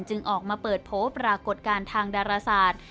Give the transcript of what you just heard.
ออกมาเปิดโผล่ปรากฏการณ์ทางดาราศาสตร์